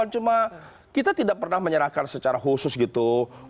cuma kita tidak pernah menyerahkan secara khusus gitu